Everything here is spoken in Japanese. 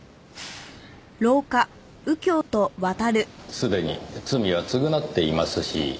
すでに罪は償っていますし